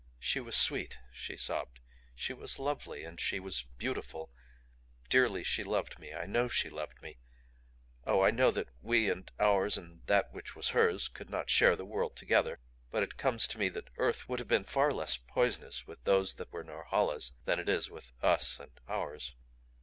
"She was sweet," she sobbed; "she was lovely. And she was beautiful. Dearly she loved me. I KNOW she loved me. Oh, I know that we and ours and that which was hers could not share the world together. But it comes to me that Earth would have been far less poisonous with those that were Norhala's than it is with us and ours!"